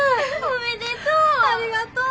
おめでとう！